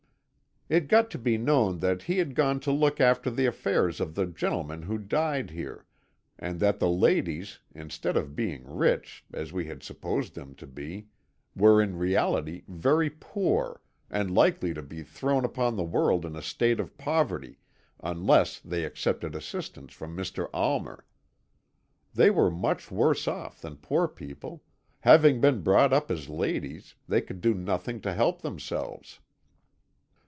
"It got to be known that he had gone to look after the affairs of the gentleman who died here, and that the ladies, instead of being rich, as we had supposed them to be, were in reality very poor, and likely to be thrown upon the world in a state of poverty, unless they accepted assistance from Mr. Almer. They were much worse off than poor people; having been brought up as ladies, they could do nothing to help themselves.